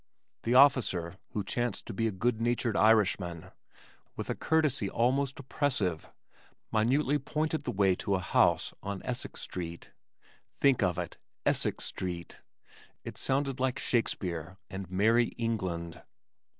The officer who chanced to be a good natured Irishman, with a courtesy almost oppressive, minutely pointed the way to a house on Essex Street. Think of it Essex Street! It sounded like Shakespeare and Merrie England!